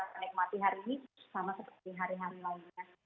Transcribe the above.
menikmati hari ini sama seperti hari hari lainnya